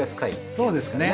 そうですね。